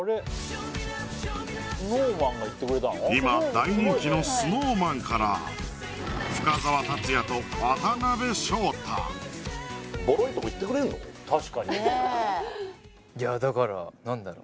今大人気のＳｎｏｗＭａｎから確かにねえいやだから何だろう